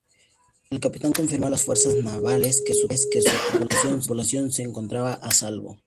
El capitán confirmó a las fuerzas navales que su tripulación se encontraba a salvo.